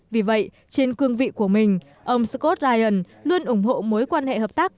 vì vậy trên cương vị của mình ông scott ryan luôn ủng hộ mối quan hệ hợp tác